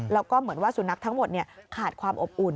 แล้วก็เหมือนว่าสุนัขทั้งหมดขาดความอบอุ่น